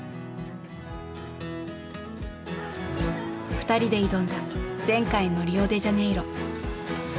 ２人で挑んだ前回のリオデジャネイロ。